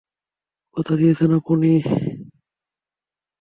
কথা দিয়েছেন আপনি।